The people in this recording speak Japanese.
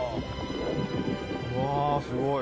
うわすごい。